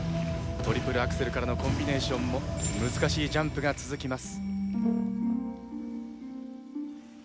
トリプルアクセルからのコンビネーションも難しいジャンプが続きます。